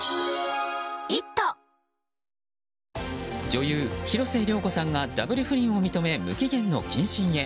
女優・広末涼子さんがダブル不倫を認め無期限の謹慎へ。